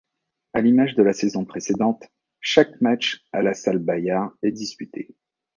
À l'image de la saison précédente, chaque match à la Salle Bayard est disputé.